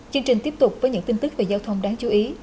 chương trình tiếp tục với những tin tức về giao thông đáng chú ý